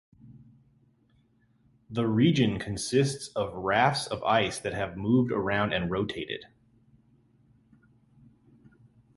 The region consists of rafts of ice that have moved around and rotated.